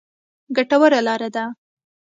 ګټوره لاره ده.